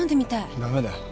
ダメだよ。